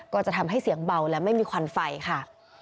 ก็จะทำให้เสียงเบาและไม่มีควันไฟค่ะ